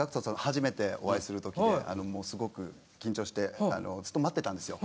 初めてお会いするときですごく緊張してずっと待ってたんですよ。